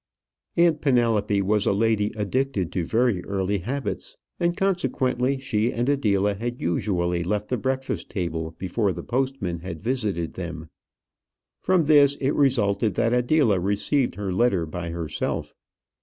Aunt Penelope was a lady addicted to very early habits, and consequently she and Adela had usually left the breakfast table before the postman had visited them. From this it resulted that Adela received her letter by herself.